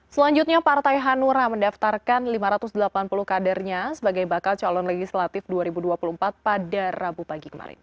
selanjutnya partai hanura mendaftarkan lima ratus delapan puluh kadernya sebagai bakal calon legislatif dua ribu dua puluh empat pada rabu pagi kemarin